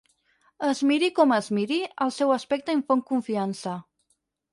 Es miri com es miri, el seu aspecte infon confiança.